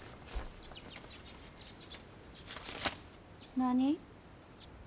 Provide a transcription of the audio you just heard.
何？